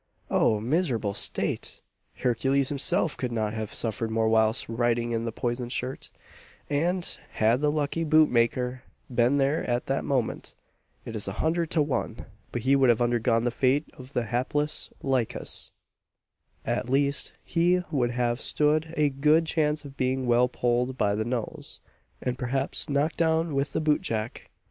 Oh! miserable state! Hercules himself could not have suffered more whilst writhing in the poisoned shirt; and had the unlucky boot maker been there at that moment, it is a hundred to one but he would have undergone the fate of the hapless Lychas at least he would have stood a good chance of being well pulled by the nose, and perhaps knocked down with the boot jack.